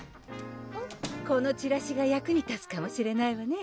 このチラシが役に立つかもしれないわね